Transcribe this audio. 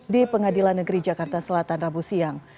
di pengadilan negeri jakarta selatan rabu siang